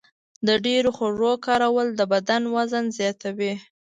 د ډېرو خوږو کارول د بدن وزن زیاتوي.